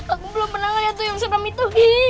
aku belum pernah ngeliat duyung serem itu